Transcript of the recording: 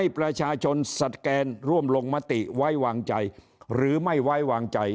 ประชาชนสแกนร่วมลงมติไว้วางใจหรือไม่ไว้วางใจ